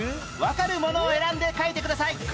わかるものを選んで書いてください